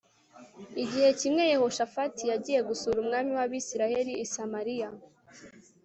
Igihe kimwe Yehoshafati yagiye gusura umwami wAbisirayeli i Samariya